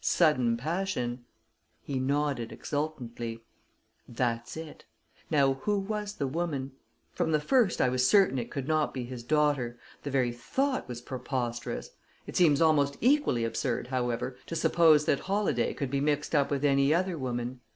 "Sudden passion." He nodded exultantly. "That's it. Now, who was the woman? From the first I was certain it could not be his daughter the very thought was preposterous. It seems almost equally absurd, however, to suppose that Holladay could be mixed up with any other woman.